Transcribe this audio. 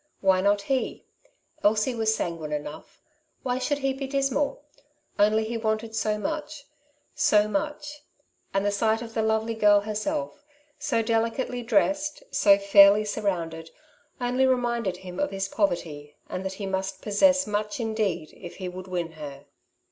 Why not he ? Elsie was sanguine enough ; why should he be dismal ? only he wanted so much — so much, and the sight of the lovely girl herself, so delicately dressed, so fairly surrounded, only re minded him of his poverty, and that he must possess much indeed if he would win her.